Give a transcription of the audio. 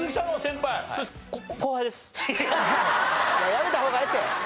やめた方がええって。